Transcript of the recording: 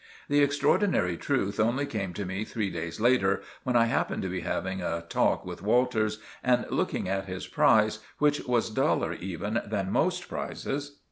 The extraordinary truth only came to me three days later, when I happened to be having a talk with Walters and looking at his prize, which was duller even than most prizes.